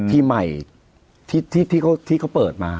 ทีมใหม่ที่เขาเปิดมา